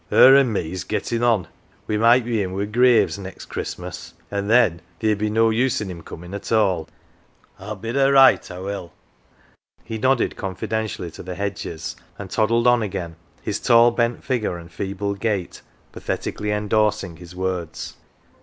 Her an' me's gettin' on we might be in we're graves next Christmas, an" 1 then theer'd be no use in him comin' at all. HI bid her write I will." He nodded confidentially to the hedges, and toddled on again, his tall bent figure and feeble gait pathetically endorsing his words.